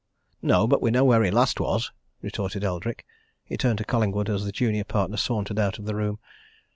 "No but we know where he last was," retorted Eldrick. He turned to Collingwood as the junior partner sauntered out of the room.